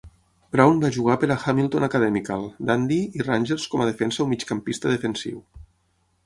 Brown va jugar per a Hamilton Academical, Dundee i Rangers com a defensa o migcampista defensiu.